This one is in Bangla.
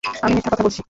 আমি মিথ্যা কথা বলছি?